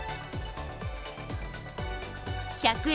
１００円